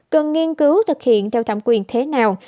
cần nghiên cứu thực hiện theo thẩm quyền thế nào